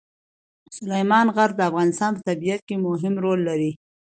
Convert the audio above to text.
سلیمان غر د افغانستان په طبیعت کې مهم رول لري.